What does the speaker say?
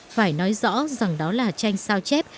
phải nói rõ rằng đó là tranh sao chép